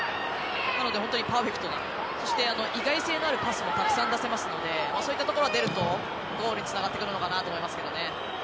なので、本当にパーフェクトなそして、意外性のあるパスもたくさん出せますのでそういったところが出るとゴールにつながってくるのかなと思いますけどね。